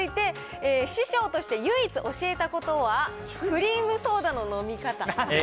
そして続いて、師匠として唯一、教えたことはクリームソーダの飲み方。